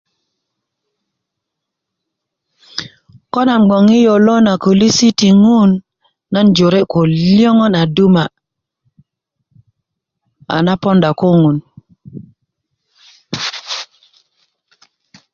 ko nan gbon yi yolo na kölisi ti ŋun nan jore ko löŋön a duma a na poonda ko ŋun